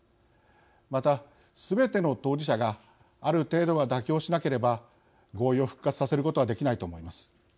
またすべての当事者がある程度、妥協しなければ合意を復活させることはできないと思います。